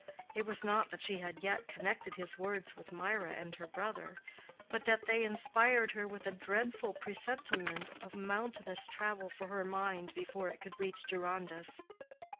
It was not that she had yet connected his words with Mirah and her brother, but that they had inspired her with a dreadful presentiment of mountainous travel for her mind before it could reach Deronda's.